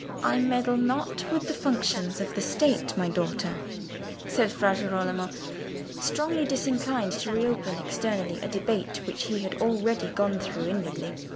"I meddle not with the functions of the State, my daughter," said Fra Girolamo, strongly disinclined to reopen externally a debate which he had already gone through inwardly.